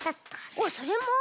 おっそれも？